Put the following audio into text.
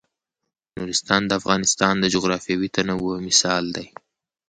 نورستان د افغانستان د جغرافیوي تنوع مثال دی.